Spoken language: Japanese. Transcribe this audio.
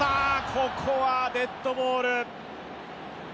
ここはデッドボール。